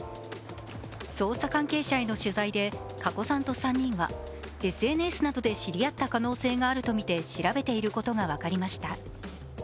捜査関係者への取材で加古さんと３人はＳＮＳなどで知り合った可能性があるとみて調べていることが分かりました。